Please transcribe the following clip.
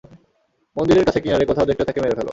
মন্দিরের কাছে- কিনারে কোথাও দেখলে তাকে মেরে ফেল!